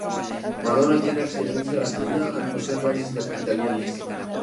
Madonna tiene ascendencia latina al poseer raíces italianas.